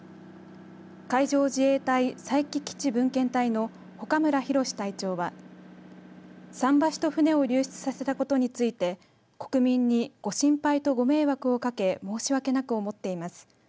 海上自衛隊佐伯基地分遣隊の外村洋隊長は桟橋と船を流出させたことについて国民に、ご心配とご迷惑をかけ申し訳なく思っています。